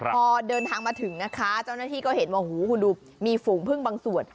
พอเดินทางมาถึงนะคะเจ้าหน้าที่ก็เห็นว่าหูคุณดูมีฝูงพึ่งบางส่วน